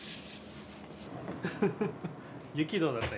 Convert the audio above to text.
雪どうだった？